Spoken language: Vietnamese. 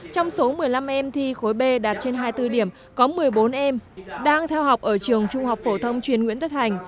trong số một mươi năm em thi khối b đạt trên hai mươi bốn điểm có một mươi bốn em đang theo học ở trường trung học phổ thông truyền nguyễn tất hành